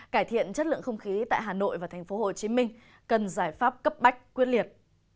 cải thiện chất lượng không khí tại hà nội và tp hcm cần giải pháp cấp bách quyết liệt